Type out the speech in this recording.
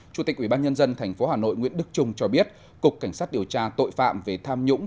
chủ tịch ubnd tp hà nội nguyễn đức trung cho biết cục cảnh sát điều tra tội phạm về tham nhũng